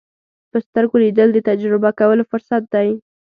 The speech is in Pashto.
په سترګو لیدل د تجربه کولو فرصت دی